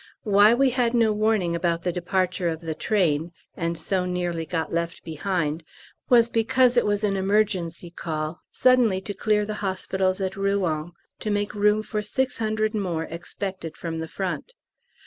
Why we had no warning about the departure of the train (and so nearly got left behind) was because it was an emergency call suddenly to clear the hospitals at R. to make room for 600 more expected from the Front.